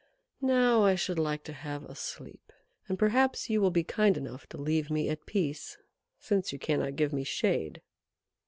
Now I should like to have a sleep, and perhaps you will be kind enough to leave me at peace, since you cannot give me shade."